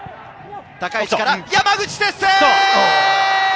高い位置から山口輝星！